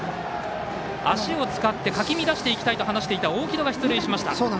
足を使ってかき乱していきたいと話していた大城戸が出塁しました。